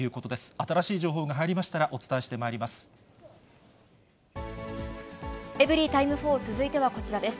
新しい情報が入りましたら、お伝えしてまいります。